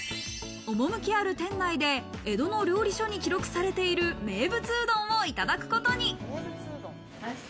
趣ある店内で江戸の料理書に記録されている名物うどんをいただくことに。